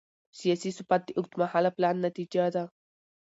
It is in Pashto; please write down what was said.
سیاسي ثبات د اوږدمهاله پلان نتیجه ده